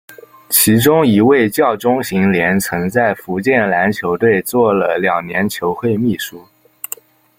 其中一位叫钟行廉曾在福建篮球队做了两年球会秘书。